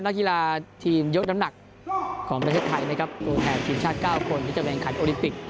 นักกีฬาทีมยกน้ำหนักของประเทศไทยนะครับตัวแทนทีมชาติ๙คนที่จะแข่งขันโอลิมปิก